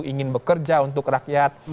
ingin bekerja untuk rakyat